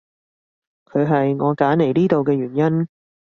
佢係我揀嚟呢度嘅原因